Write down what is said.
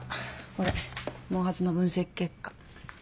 これ毛髪の分析結果。